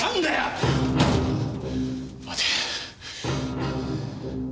待て。